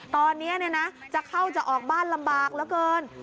ตอนนี้จะเข้าจะออกบ้านลำบากเหลือเกิน